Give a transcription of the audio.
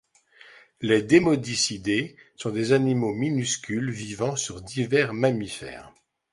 Les Demodicidae sont des animaux minuscules vivant sur divers mammifères.